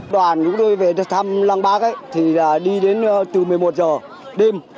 đoàn chúng tôi về thăm lăng bác thì đi đến từ một mươi một giờ đêm